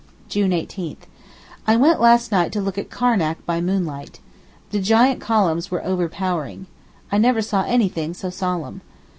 June 18.—I went last night to look at Karnac by moonlight. The giant columns were overpowering. I never saw anything so solemn.